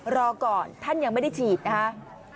รอก่อนท่านยังไม่ได้ฉีดนะคะ